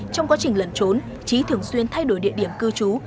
trong quá trình lẩn trốn trí thường xuyên thay đổi địa điểm cư trú